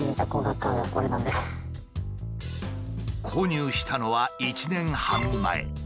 購入したのは１年半前。